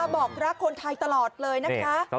บอกรักคนไทยตลอดเลยนะคะ